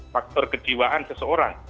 faktor kejiwaan seseorang